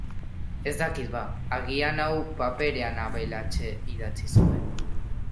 Ez dakit ba, agian hau... Paperean abeletxe idatzi nuen.